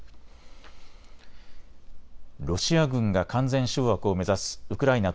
ロシア軍が完全掌握を目指すウクライナ